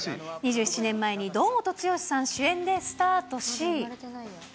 ２７年前に堂本剛さん主演でスタートし。